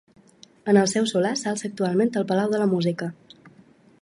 En el seu solar s'alça actualment el Palau de la Música.